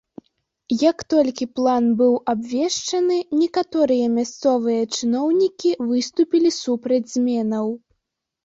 Як толькі план быў абвешчаны, некаторыя мясцовыя чыноўнікі выступілі супраць зменаў.